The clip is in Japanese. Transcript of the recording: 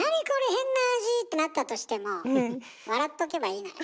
変な味！ってなったとしても笑っとけばいいかな。